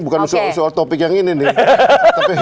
bukan soal topik yang ini nih